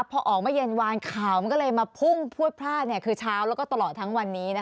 พอออกมาเย็นวานข่าวมันก็เลยมาพุ่งพวดพลาดคือเช้าแล้วก็ตลอดทั้งวันนี้